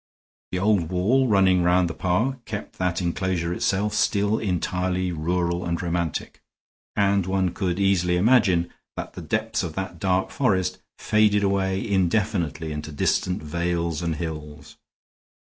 The old wall running round the park kept that inclosure itself still entirely rural and romantic, and one could easily imagine that the depths of that dark forest faded away indefinitely into distant vales and hills.